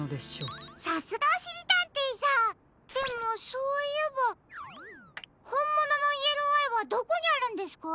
さすがおしりたんていさんでもそういえばほんもののイエローアイはどこにあるんですか？